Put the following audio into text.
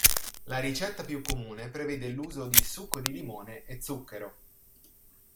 La ricetta più comune prevede l'uso di succo di limone e zucchero.